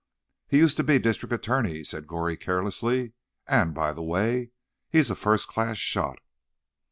"He used to be district attorney," said Goree carelessly. "And, by the way, he's a first class shot."